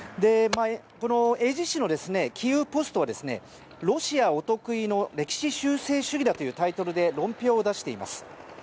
英字紙のキーウポストはロシアお得意の歴史修正主義だというタイトルで論評を出しています。